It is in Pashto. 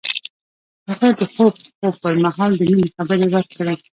هغه د خوږ خوب پر مهال د مینې خبرې وکړې.